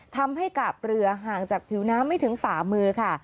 ทำให้กาบเรือห่างจากผิวน้ำไม่ถึงฝ่ามือค่ะ